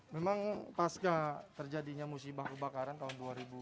memang pasca terjadinya musibah kebakaran tahun dua ribu dua